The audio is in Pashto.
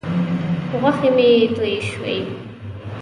غوښې مې تویې شوې.